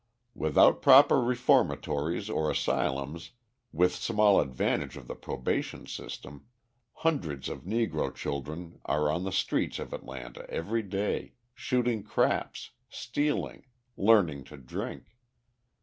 Without proper reformatories or asylums, with small advantage of the probation system, hundreds of Negro children are on the streets of Atlanta every day shooting craps, stealing, learning to drink.